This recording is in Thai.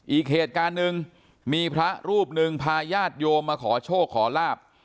อีกเหตุการณ์หนึ่งมีพระรูปหนึ่งพาญาติโยมมาขอโชคขอลาบ